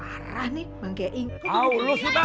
oh si bukan sayang l helmet